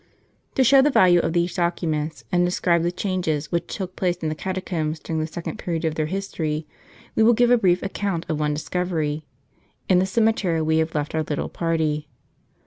To show the value of these documents, and describe the changes which took place in the catacombs during the second period of their history, we will give a brief account of one dis covery, in the cemetery where we have left our little party.